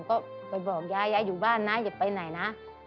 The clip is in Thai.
ก็ไปบอกยายยายอยู่บ้านนะอย่าไปไหนนะ